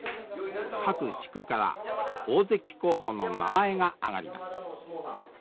各地区から大関候補の名前が挙がります。